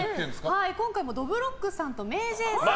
今回は、どぶろっくさんとＭａｙＪ．さんが。